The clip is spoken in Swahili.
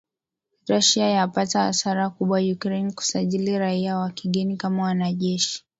Russia yapata hasara kubwa Ukraine kusajili raia wa kigeni kama wanajeshi